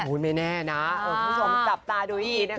ไม่แน่นะคุณผู้ชมจับตาดูอีกนะคะ